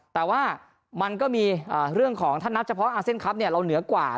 แต่ว่ามันก็มีเรื่องของถ้านับเฉพาะอาเซียนคลับเราเหนือกว่า